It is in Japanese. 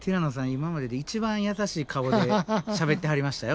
今までで一番優しい顔でしゃべってはりましたよ